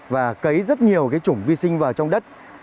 và cấy rất nhiều cái chủng vi sinh vào trong đất